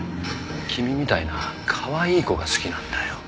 君みたいなかわいい子が好きなんだよ。